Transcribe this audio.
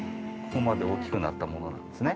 ここまで大きくなったものなんですね。